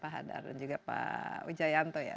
pak hadar dan juga pak wijayanto ya